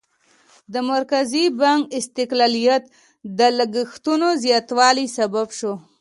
د مرکزي بانک استقلالیت د لګښتونو زیاتوالي سبب شو.